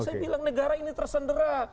saya bilang negara ini tersendera